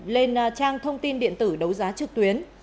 lên trang thông tin điện tử đấu giá trực tuyến